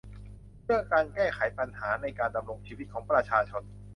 เรื่องการแก้ไขปัญหาในการดำรงชีวิตของประชาชน